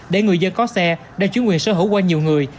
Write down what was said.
để người dân có xe đang chuyển quyền sở hữu qua nhiều người